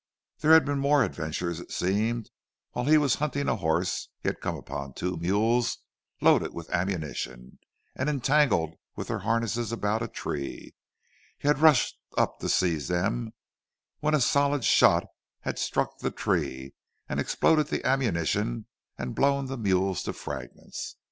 There had been more adventures, it seemed; while he was hunting a horse he had come upon two mules loaded with ammunition and entangled with their harness about a tree; he had rushed up to seize them—when a solid shot had struck the tree and exploded the ammunition and blown the mules to fragments.